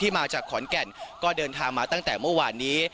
มาจากขอนแก่นก็เดินทางมาตั้งแต่เมื่อวานนี้